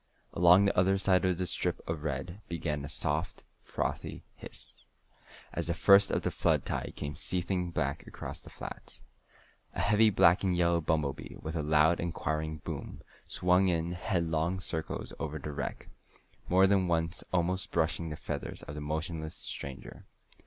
Along the other side of the strip of red began a soft, frothy hiss, as the first of the flood tide came seething back across the flats. A heavy black and yellow bumble bee, with a loud, inquiring boom, swung in headlong circles over the wreck, more than once almost brushing the feathers of the motionless stranger.